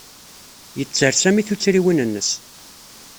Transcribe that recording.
Yetter Sami tuttriwin-nnes.